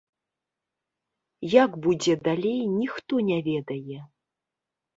Як будзе далей, ніхто не ведае.